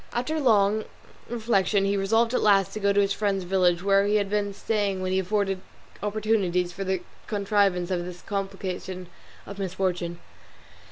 After long reflection he resolved at last to go to his friend's village, where he had been staying when he afforded opportunities for the contrivance of this complication of misfortune.